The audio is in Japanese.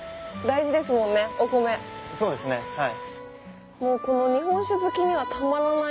そうですねはい。